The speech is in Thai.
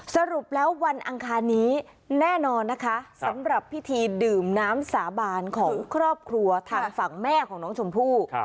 สรุปแล้ววันอังคารนี้แน่นอนนะคะสำหรับพิธีดื่มน้ำสาบานของครอบครัวทางฝั่งแม่ของน้องชมพู่